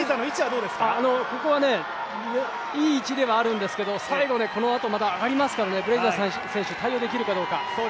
ここはいい位置ではあるんですけどこのあと上がりますからブレイザー選手対応できるかどうか。